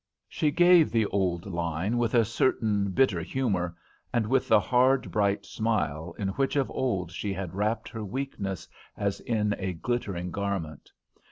'" She gave the old line with a certain bitter humour, and with the hard, bright smile in which of old she had wrapped her weakness as in a glittering garment.